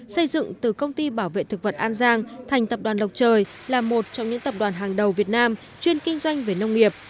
xây dựng từ công ty bảo vệ thực vật an giang thành tập đoàn lộc trời là một trong những tập đoàn hàng đầu việt nam chuyên kinh doanh về nông nghiệp